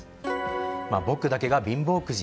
僕だけが貧乏くじ。